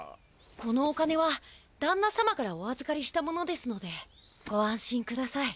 このお金はだんな様からおあずかりしたものですのでご安心ください。